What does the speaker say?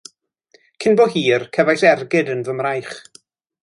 Cyn bo hir, cefais ergyd yn fy mraich.